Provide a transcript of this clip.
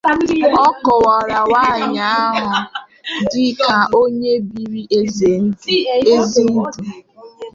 Ọ kọwara nwaanyị ahụ dịka onye biri ezi ndụ